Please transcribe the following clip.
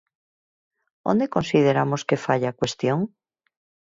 ¿Onde consideramos que falla a cuestión?